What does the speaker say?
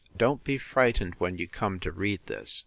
don't be frightened when you come to read this!